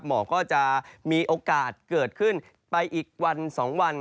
หมอกก็จะมีโอกาสเกิดขึ้นไปอีกวัน๒วัน